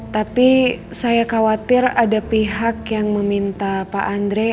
tapi saya khawatir ada pihak yang meminta pak andre